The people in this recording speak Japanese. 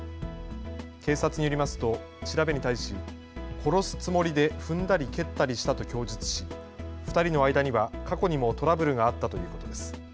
警察によりますと調べに対し殺すつもりで踏んだり蹴ったりしたと供述し２人の間には過去にもトラブルがあったということです。